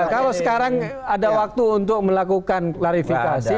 kalau sekarang ada waktu untuk melakukan klarifikasi